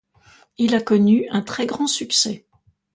Il a connu un très grand succès.